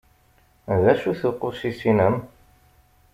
D acu-t uqusis-inem?